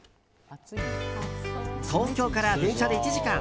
東京から電車で１時間。